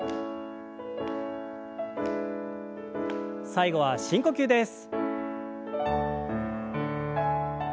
最後は深呼吸です。